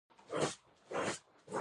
هغه غوښتل چې شهزاده مراد ووژني.